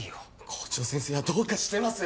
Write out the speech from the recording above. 校長先生はどうかしてます！